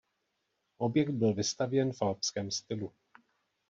Objekt byl vystavěn v alpském stylu.